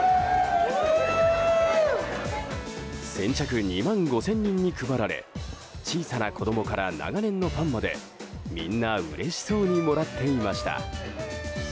先着２万５０００人に配られ小さな子供から長年のファンまでみんなうれしそうにもらっていました。